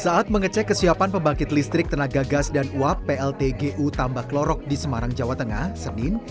saat mengecek kesiapan pembangkit listrik tenaga gas dan uap pltgu tambak lorok di semarang jawa tengah senin